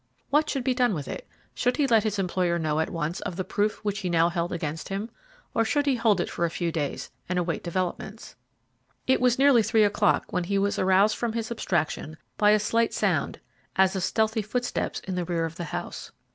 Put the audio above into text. What should be done with it? Should he let his employer know at once of the proof which he now held against him? Or should he hold it for a few days and await developments? It was nearly three o'clock when he was aroused from his abstraction by a slight sound, as of stealthy footsteps in the rear of the house.